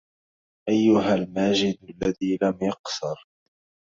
أيها الماجد الذي لم يقصر